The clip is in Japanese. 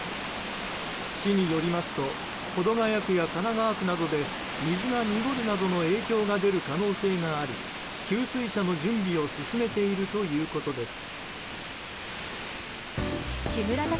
市によりますと保土ケ谷区や神奈川区などで水が濁るなどの影響が出る可能性があり給水車の準備を進めているということです。